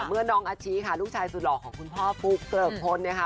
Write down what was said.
เมื่อน้องอาชิค่ะลูกชายสุดหล่อของคุณพ่อฟุ๊กเกริกพลเนี่ยค่ะ